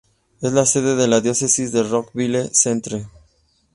Es la sede de la diócesis de Rockville Centre.